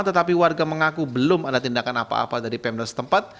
tetapi warga mengaku belum ada tindakan apa apa dari pemda setempat